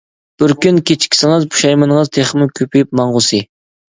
بىر كۈن كېچىكسىڭىز، پۇشايمىنىڭىز تېخىمۇ كۆپىيىپ ماڭغۇسى!